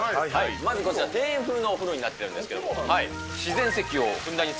まずこちら、庭園風のお風呂になってるんですけど。